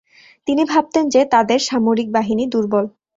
তিনি ভাবতেন যে তাদের সামরিক বাহিনী দুর্বল।